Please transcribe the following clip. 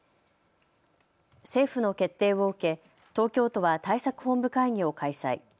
政府の決定を受け東京都は対策本部会議を開催。